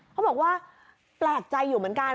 เขาบอกว่าแปลกใจอยู่เหมือนกัน